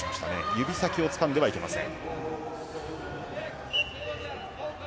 指先をつかんではいけません。